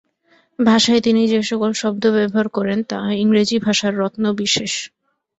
ভাষায় তিনি যে-সকল শব্দ ব্যবহার করেন, তাহা ইংরেজী ভাষার রত্নবিশেষ।